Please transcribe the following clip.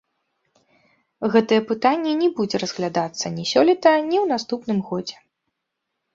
Гэтае пытанне не будзе разглядацца ні сёлета, ні ў наступным годзе.